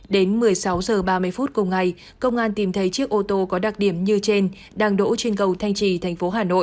đến một mươi sáu h ba mươi phút cùng ngày công an tìm thấy chiếc ô tô có đặc điểm như trên đang đổ trên cầu thanh trì thành phố hà nội